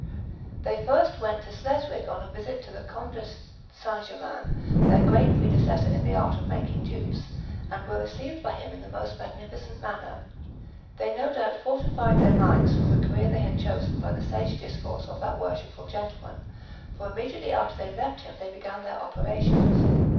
They first went to Sleswig on a visit to the Count de St. Germain, their great predecessor in the art of making dupes, and were received by him in the most magnificent manner. They no doubt fortified their minds for the career they had chosen by the sage discourse of that worshipful gentleman; for immediately after they left him, they began their operations.